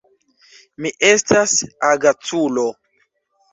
Mi estas agaculo.